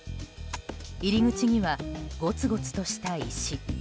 入り口にはごつごつとした石。